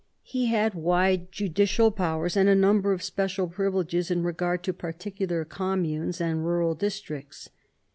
He had wide judicial powers and a number of special privileges in regard to particular communes and rural districts.